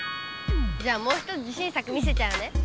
じゃあもうひとつ自信作見せちゃうね。